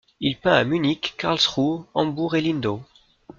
Il peint à Munich, Karlsruhe, Hambourg et Lindau.